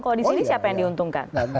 kalau di sini siapa yang diuntungkan